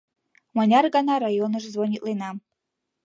Мыняр гана районыш звонитленам.